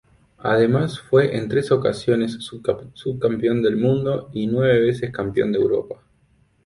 Además fue en tres ocasiones subcampeón del mundo y nueve veces campeón de Europa.